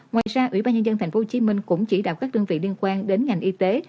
ngoài ra ủy ban nhân dân tp hcm cũng chỉ đạo các đơn vị liên quan đến ngành y tế